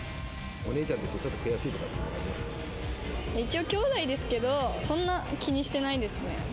お姉ちゃんとして、一応、姉妹ですけど、そんな気にしてないですね。